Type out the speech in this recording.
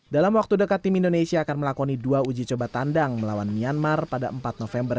dalam waktu dekat tim indonesia akan melakoni dua uji coba tandang melawan myanmar pada empat november